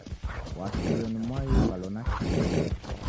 Wakio ni mwai uvalo nakio.